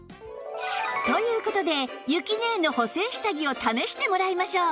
という事でゆきねえの補整下着を試してもらいましょう